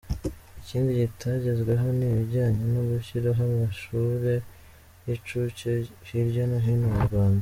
Ikindi kitagezweho ni ibijyanye no gushyiraho amashuri y’incuke hirya no hino mu Rwanda.